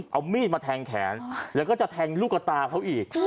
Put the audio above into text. เอามีดมาแทงแขนแล้วก็จะแทงลูกกระตาเขาอีก